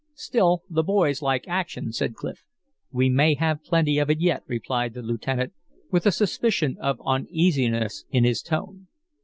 "Still, the boys like action," said Clif. "We may have plenty of it yet," replied the lieutenant, with a suspicion of uneasiness in his tone.